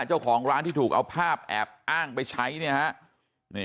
เจ้าของร้านที่ถูกเอาภาพแอบอ้างไปใช้เนี่ยฮะ